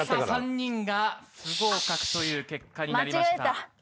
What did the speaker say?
３人が不合格という結果になりました。